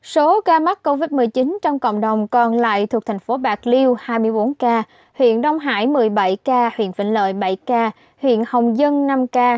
số ca mắc covid một mươi chín trong cộng đồng còn lại thuộc thành phố bạc liêu hai mươi bốn ca huyện đông hải một mươi bảy ca huyện vĩnh lợi bảy ca huyện hồng dân năm ca